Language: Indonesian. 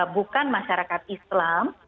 bukan masyarakat islam